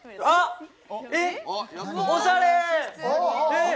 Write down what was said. おしゃれ。